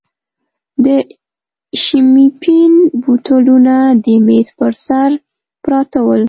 د شیمپین بوتلونه د مېز پر سر پراته ول.